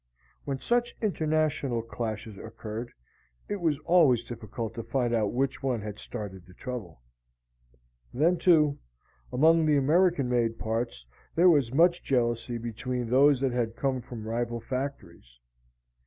(When such international clashes occurred, it was always difficult to find out which one had started the trouble.) Then, too, among the American made parts there was much jealousy between those that had come from rival factories.